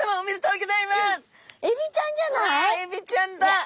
うわエビちゃんだ！